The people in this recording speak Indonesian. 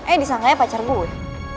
eh disangkanya pacar gue